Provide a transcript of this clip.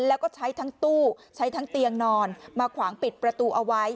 แล้วก็ใช้ทั้งตู้ใช้ทั้งเตียงนอนมาขวางปิดประตูเอาไว้